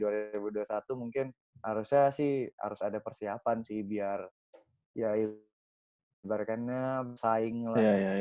untungnya mungkin diundurkan jadi dua ribu dua puluh satu mungkin harusnya sih harus ada persiapan sih biar ya ibaratnya saing lah